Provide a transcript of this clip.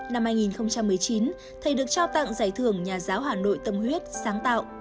năm hai nghìn một mươi chín thầy được trao tặng giải thưởng nhà giáo hà nội tâm huyết sáng tạo